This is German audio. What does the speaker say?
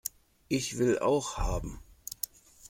Ich will auch haben!